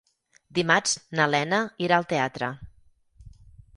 Dimarts na Lena irà al teatre.